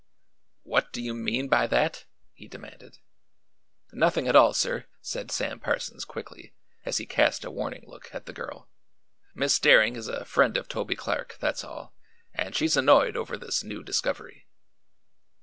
"What do you mean by that?" he demanded. "Nothing at all, sir," said Sam Parsons quickly, as he cast a warning look at the girl. "Miss Daring is a friend of Toby Clark, that's all, and she's annoyed over this new discovery."